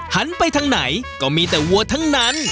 หันไปทางไหนก็มีแต่วัวทั้งนั้น